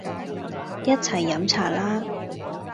一齊飲茶啦